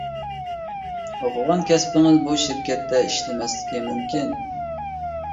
ئوقۇغان كەسپىڭىز بۇ شىركەتتە ئىشلىمەسلىكى مۇمكىن.